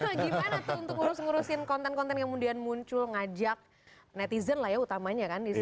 wah gimana tuh untuk ngurus ngurusin konten konten yang kemudian muncul ngajak netizen lah ya utamanya kan di sini